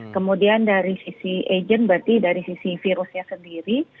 kemudian dari sisi agent berarti dari sisi virusnya sendiri